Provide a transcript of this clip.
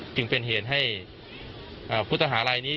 จึงเป็นเหตุให้ผู้ต่อหาอะไรอย่างนี้